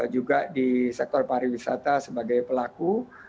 juga di sektor pariwisata sebagai pelaku